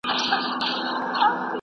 زه که در ځم نو بې اختیاره درځم `